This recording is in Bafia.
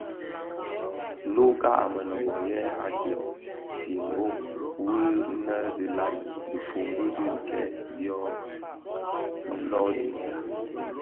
Nnouka a Mënōbō yè adyèm i mbōg wui inne dhi nlaňi dhifombi di kidèè dyo londinga.